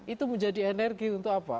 itu menjadi energi untuk apa